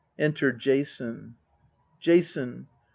Enter JASON Jason.